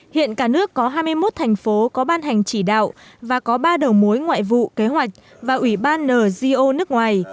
hiện cả nước có hai mươi một thành phố có ban hành chỉ đạo và có ba đầu mối ngoại vụ kế hoạch và ủy ban nzo nước ngoài